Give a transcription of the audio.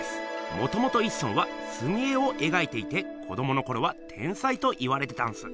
もともと一村は「すみ絵」をえがいていて子どものころは天才と言われてたんす。